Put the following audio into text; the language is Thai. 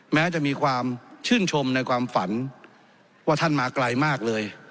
แม้จะมีความชื่นชมในความฝันว่าท่านมาไกลมากเลย